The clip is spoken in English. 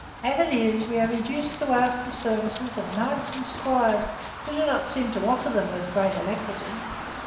As it is, we are reduced to ask services of knights and squires, who do not seem to offer them with great alacrity."